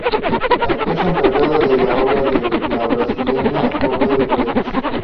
La empresa encargada de la obra es la brasileña Odebrecht.